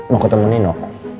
mau ketemu nino